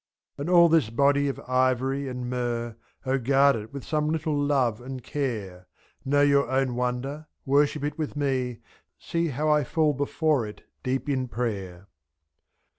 And all this body of ivory and myrrh, O guard it with some little love and care ; 7o,Know your own wonder, worship it with me. See how I fall before it deep in prayer.